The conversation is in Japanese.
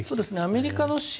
アメリカの支援